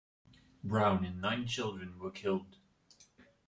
Brown and nine children were killed.